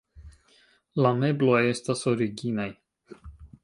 La mebloj estas originaj.